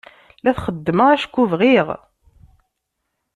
La t-xeddmeɣ acku bɣiɣ.